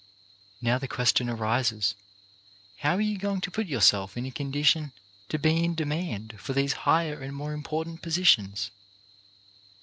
Now the question arises: — How are you going to put yourself in a condition to be in demand for these higher and more important positions